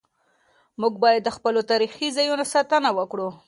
موږ باید د خپلو تاریخي ځایونو ساتنه وکړو.